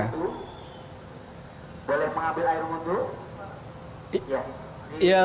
boleh mengambil air muda